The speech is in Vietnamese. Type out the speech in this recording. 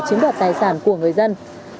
chiếm đoạt tài sản của người dân